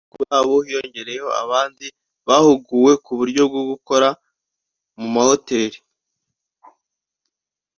Kuri abo hiyongereyeho abandi bahuguwe ku buryo bwo gukora mu mahoteri